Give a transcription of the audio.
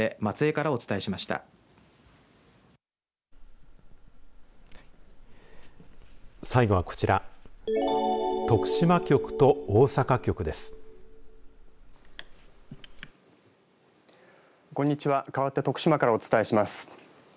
かわって徳島からお伝えします。